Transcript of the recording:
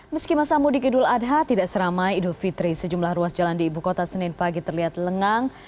meski masa mudik idul adha tidak seramai idul fitri sejumlah ruas jalan di ibu kota senin pagi terlihat lengang